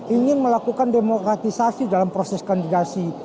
ingin melakukan demokratisasi dalam proses kandidasi